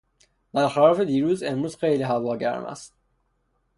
بر خلاف دیروز امروز هوا خیلی گرم است.